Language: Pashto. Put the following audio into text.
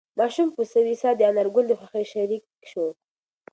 ماشوم په سوې ساه د انارګل د خوښۍ شریک شو.